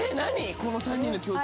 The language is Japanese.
この３人の共通。